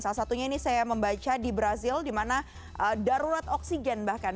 salah satunya ini saya membaca di brazil di mana darurat oksigen bahkan